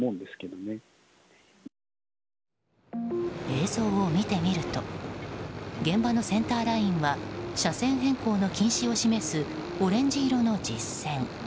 映像を見てみると現場のセンターラインは車線変更の禁止を示すオレンジ色の実線。